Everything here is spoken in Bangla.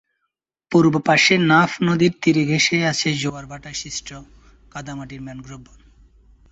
পূর্ব পাশে নাফ নদীর তীর ঘেষে আছে জোয়ার ভাটায় সৃষ্ট কাদা মাটির ম্যানগ্রোভ বন।